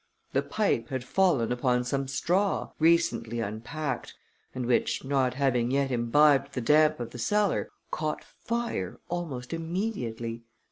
The pipe had fallen upon some straw, recently unpacked, and which, not having yet imbibed the damp of the cellar, caught fire almost immediately.